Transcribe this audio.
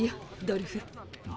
ドルフ。